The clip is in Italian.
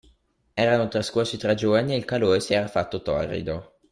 Erano trascorsi tre giorni e il calore si era fatto torrido.